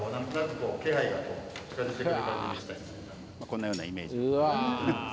こんなようなイメージ。